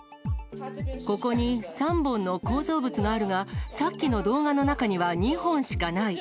ここに３本の構造物があるが、さっきの動画の中には２本しかない。